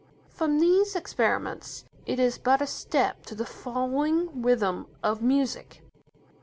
From these experiments, it is but a step to the flowing rhythm of music.